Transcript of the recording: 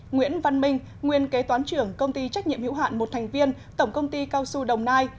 nguyễn văn minh nguyên kế toán trưởng tổng công ty cao su đồng nai